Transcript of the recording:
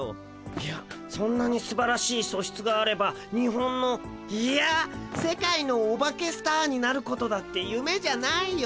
いやそんなにすばらしいそしつがあればにほんのいや世界のオバケスターになることだってゆめじゃないよ。